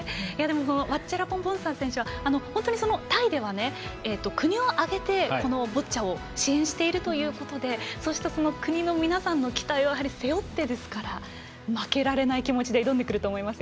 ワッチャラポン・ボンサー選手はタイでは国を挙げて、ボッチャを支援しているということでそうした国の皆さんの期待を背負ってですから負けられない気持ちで挑んでくると思いますよ。